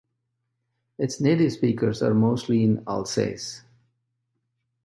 Its native speakers are mostly in Alsace.